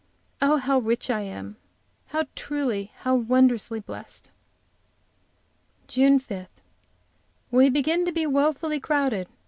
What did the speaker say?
Oh, how rich I am, how truly, how wondrously blest! JUNE 5. We begin to be woefully crowded.